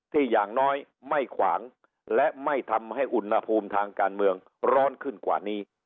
อย่างน้อยไม่ขวางและไม่ทำให้อุณหภูมิทางการเมืองร้อนขึ้นกว่านี้